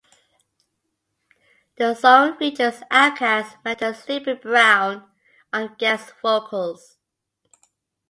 The song features OutKast mentor Sleepy Brown on guest vocals.